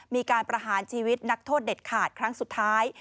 มีการประหารชีวิตนักโทษเด็ดขาดครั้งสุดท้าย